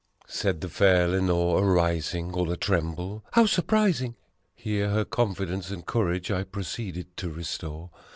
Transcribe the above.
Said the fair Lenore, arising all atremble, "How surprising!" Here her confidence and courage I proceeded to restore.